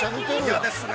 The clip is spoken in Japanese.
◆嫌ですね。